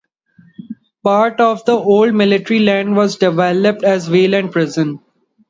Part of the old military land was developed as Wayland Prison.